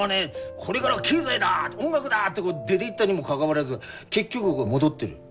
これがらは経済だ音楽だって出ていったにもかかわらず結局戻ってる。